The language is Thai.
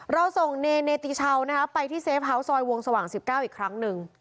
เราส่งเนเนตีเชานะครับไปที่เซฟเฮ้าสอยวงสว่างสิบเก้าอีกครั้งหนึ่ง